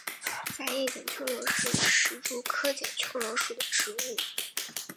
狭叶剪秋罗是石竹科剪秋罗属的植物。